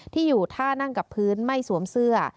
ที่อยู่ท่านั่งกับพื้นไม่สวมเสื้อ